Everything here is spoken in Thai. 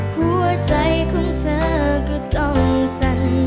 หัวใจของเธอก็ต้องสั่น